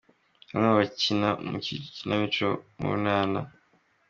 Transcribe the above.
Bamwe mu bakina mu ikinamico urunana.